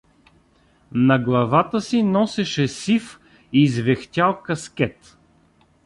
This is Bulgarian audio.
На главата си носеше сив извехтял каскет.